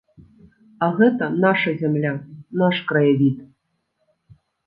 А гэта наша зямля, наш краявід.